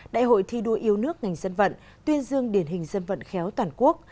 đại hội thi đua yêu nước ngành dân vận tuyên dương điển hình dân vận khéo toàn quốc